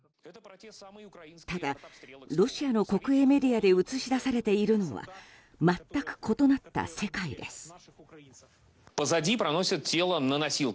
ただ、ロシアの国営メディアで映し出されているのは全く異なった世界です。